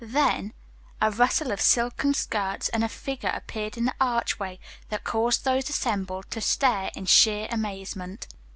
Then a rustle of silken skirts and a figure appeared in the archway that caused those assembled to stare in sheer amazement.